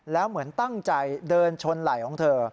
แล้วเหมือนตั้งใจเดินชนไหล่ของเธอ